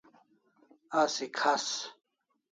Asi khas